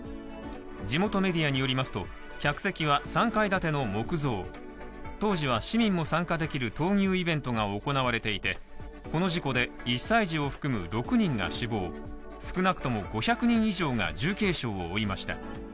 地元メディアによりますと客席は３階建ての木造当時は市民も参加できる闘牛イベントが行われていてこの事故で１歳児を含む６人が死亡、少なくとも５００人以上が重軽傷を負いました。